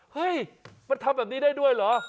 เฮ้ยมันทำแบบนี้ได้ด้วยเหรอ